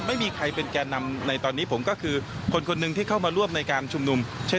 ไม่มีใครเป็นแก่นำในตอนนี้ผมก็คือคนคนหนึ่งที่เข้ามาร่วมในการชุมนุมเช่น